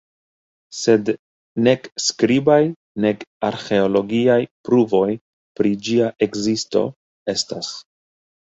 Sed nek skribaj, nek arĥeologiaj pruvoj pri ĝia ekzisto estas.